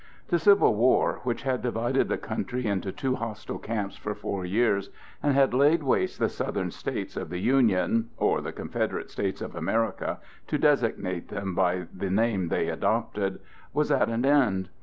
The Civil War which had divided the country into two hostile camps for four years and had laid waste the Southern States of the Union—or the Confederate States of America, to designate them by the name they adopted—was at an end.